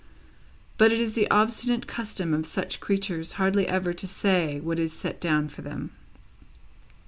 But it is the obstinate custom of such creatures hardly ever to say what is set down for them.